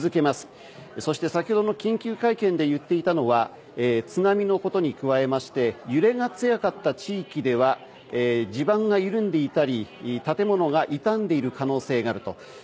そして、先ほどの緊急会見で言っていたのは津波のことに加え揺れが強かった地域では地盤が緩んでいたり建物が傷んでいる可能性があると。